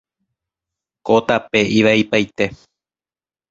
Ko tape ivaipaite.